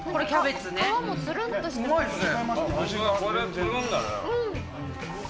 うまいですね。